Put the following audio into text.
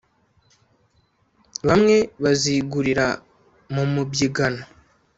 bamwe bazigurira mu mubyigano